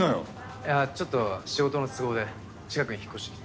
いやちょっと仕事の都合で近くに引っ越してきて。